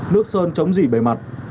nước sơn chống dỉ bề mặt